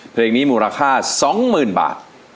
เพลงนี้มูลค่า๒๐๐๐บาท